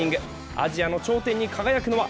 アジアの頂点に輝くのは？